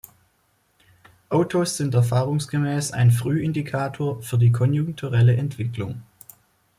Autos sind erfahrungsgemäß ein Frühindikator für die konjunkturelle Entwicklung.